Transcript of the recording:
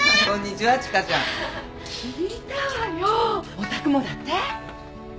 お宅もだって？